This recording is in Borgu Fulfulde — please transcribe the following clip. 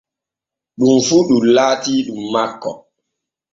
Ɗum fu ɗum laatii ɗum makko.